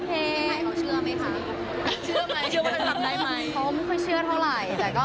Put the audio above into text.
เพราะว่าเมื่อเชื่อเท่าไหร่